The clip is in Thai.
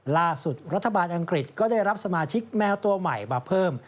ล่าสุดรัฐบาลอังกฤษก็ได้รับสมาชิกแมวตัวใหม่มาเพิ่ม